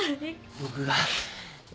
僕が。